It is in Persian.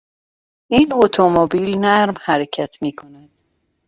این اتومبیل نرم حرکت میکند.